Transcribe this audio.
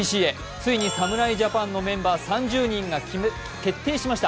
ついに侍ジャパンのメンバー３０人が決定しました。